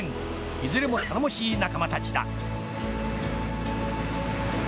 いずれも頼もしい仲間たちだ。